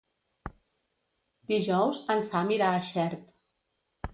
Dijous en Sam irà a Xert.